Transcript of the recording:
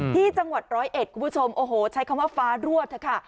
ที่จังหวัด๑๐๑คุณผู้ชมใช้คำว่าฟ้ารวดค่ะ